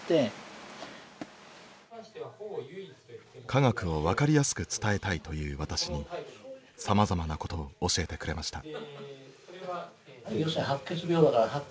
科学を分かりやすく伝えたいという私にさまざまなことを教えてくれました。